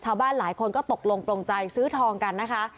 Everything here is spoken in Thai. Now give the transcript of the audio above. หลายคนก็ตกลงปลงใจซื้อทองกันนะคะ